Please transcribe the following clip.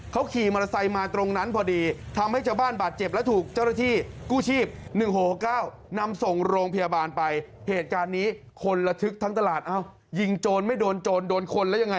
เขาขี่มอเตอร์ไซส์มาตรงนั้นพอดีทำให้ชาวบ้านบาดเจ็บแล้วถูก